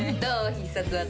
必殺技。